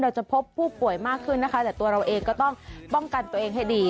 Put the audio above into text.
จะพบผู้ป่วยมากขึ้นนะคะแต่ตัวเราเองก็ต้องป้องกันตัวเองให้ดี